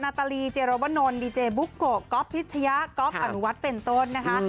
นาตาลีเจโรบนนท์ดีเจบุ๊กโกะกอล์ฟพิษชะยะกอล์ฟอนุวัติเป็นต้นนะคะ